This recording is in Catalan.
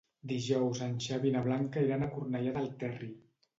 Dijous en Xavi i na Blanca iran a Cornellà del Terri.